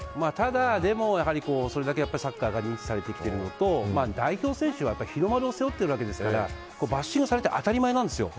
でも、それだけサッカーが認知されてきているのと代表選手は日の丸を背負っているわけですからバッシングされて当たり前なんです。